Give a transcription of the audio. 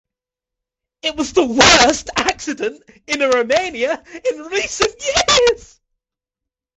It was the worst accident in Romania in recent years.